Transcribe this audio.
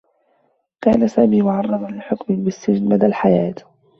كان سامي معرّضا لحكم بالسّجن مدى الحياة.